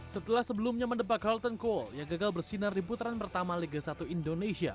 setelah sebelumnya mendebak carlton cole yang gagal bersinar di putaran pertama liga satu indonesia